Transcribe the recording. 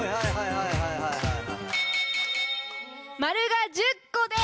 「○」が１０個で。